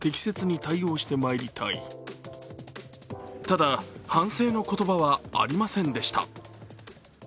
ただ、反省の言葉はありませんでした。